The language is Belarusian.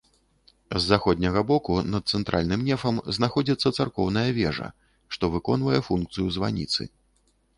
З заходняга боку над цэнтральным нефам знаходзіцца царкоўная вежа, што выконвае функцыю званіцы.